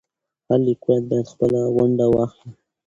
هر لیکوال باید خپله ونډه واخلي.